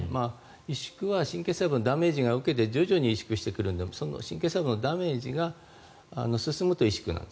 萎縮は神経細胞にダメージを受けて徐々に萎縮してくるので神経細胞のダメージが進むと萎縮する。